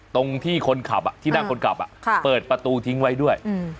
ตรงที่คนขับอ่ะที่นั่งคนกลับอ่ะค่ะเปิดประตูทิ้งไว้ด้วยอืม